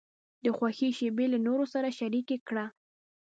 د خوښۍ شیبې له نورو سره شریکې کړه.